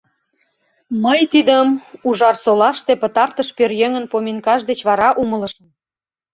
Мый тидым Ужарсолаште пытартыш пӧръеҥын поминкаж деч вара умылышым...